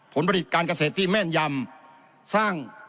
ผลผลิตการเกษตรที่แม่นยำสร้าง